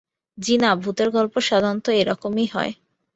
জ্বি-না, ভূতের গল্প সাধারণত এ-রকমই হয়।